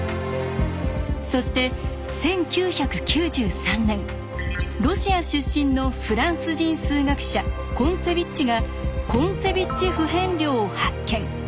そして１９９３年ロシア出身のフランス人数学者コンツェビッチがコンツェビッチ不変量を発見。